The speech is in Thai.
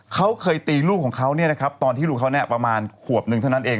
เขาเคยตีลูกของเขาตอนที่ลูกเขาประมาณขวบนึงเท่านั้นเอง